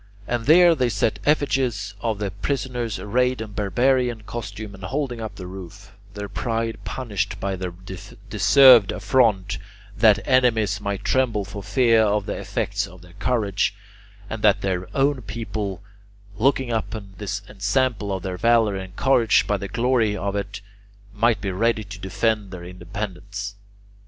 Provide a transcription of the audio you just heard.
And there they set effigies of the prisoners arrayed in barbarian costume and holding up the roof, their pride punished by this deserved affront, that enemies might tremble for fear of the effects of their courage, and that their own people, looking upon this ensample of their valour and encouraged by the glory of it, might be ready to defend their independence.